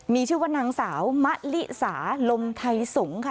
มีชื่อว่านางสาวมะลิสาลมไทยสงฆ์ค่ะ